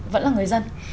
vẫn là người dân